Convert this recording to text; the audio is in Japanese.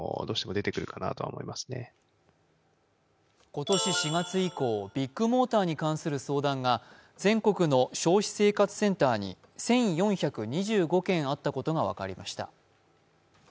今年４月以降、ビッグモーターに関する相談が全国の消費生活センターに１４２５件あったことが分かりました。